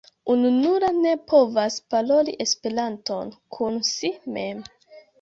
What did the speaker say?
Ununura ne povas paroli Esperanton kun si mem.